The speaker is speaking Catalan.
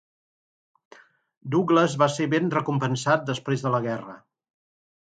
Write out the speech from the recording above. Douglas va ser ben recompensat després de la guerra.